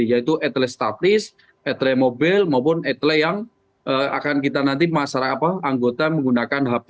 yaitu etele staffis etle mobil maupun etele yang akan kita nanti masyarakat anggota menggunakan hp